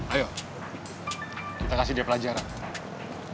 ayo kita kasih dia pelajaran